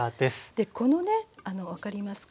でこのね分かりますか？